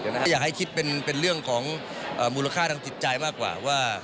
ก็อยากให้คิดเป็นเรื่องของมูลค่าทางจิตใจมากกว่าว่า